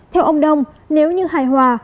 theo ông đông nếu như hài hòa